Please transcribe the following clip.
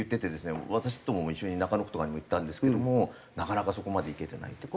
私どもも一緒に中野区とかにも言ったんですけどもなかなかそこまでいけてない。